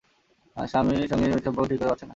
স্বামীর সঙ্গে মেয়েটির সম্পর্ক তিনি ঠিক ধরতে পারছেন না।